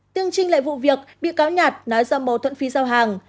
tương trình lại vụ việc bị cáo nhạt nói do mâu thuẫn phi giao hàng